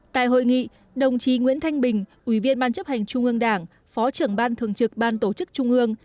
tại hội nghị đồng chí nguyễn thanh bình ủy viên ban chấp hành trung ương đảng phó trưởng ban thường trực ban tổ chức trung ương